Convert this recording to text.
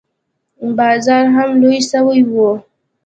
بازار هم لوى سوى و.